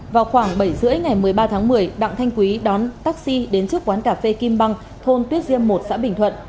vào khoảng bảy h ba mươi ngày một mươi ba tháng một mươi đặng thanh quý đón taxi đến trước quán cà phê kim băng thôn tuyết diêm một xã bình thuận